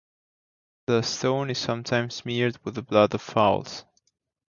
The stone is sometimes smeared with the blood of fowls.